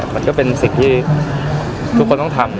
มันก็เป็นสิ่งที่ทุกคนต้องทำ